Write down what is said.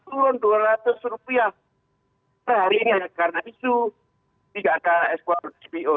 turun rp dua ratus seharinya karena isu tiga k s empat spo